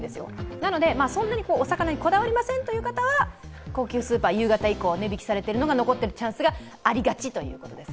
なので、そんなにお魚にこだわりませんという方は、高級スーパー、夕方以降、値引きされているものがありがちということです。